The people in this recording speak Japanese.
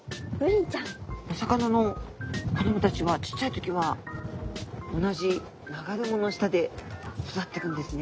お魚の子どもたちはちっちゃい時は同じ流れ藻の下で育ってくんですね。